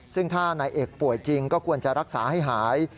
ซึ่งถ้านายเอกป่วยจริงก็ควรจะรักษาให้หาย